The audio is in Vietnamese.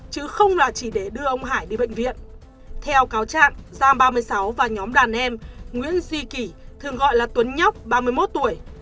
theo cáo trạng giang ba mươi sáu và nhóm đàn em nguyễn duy kỳ thường gọi là tuấn nhóc ba mươi một tuổi